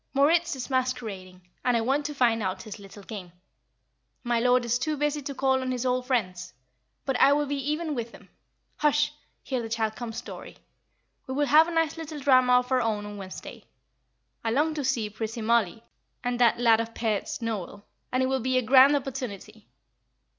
Moritz is masquerading, and I want to find out his little game. My lord is too busy to call on his old friends. But I will be even with him. Hush! here the child comes, Dorrie. We will have a nice little drama of our own on Wednesday. I long to see pretty Mollie, and that 'lad of pairts,' Noel, and it will be a grand opportunity."